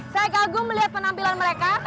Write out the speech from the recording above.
saya kagum melihat penampilan mereka